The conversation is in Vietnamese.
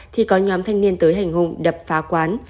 thì có nhóm thanh niên tới hành hùng đập phá quán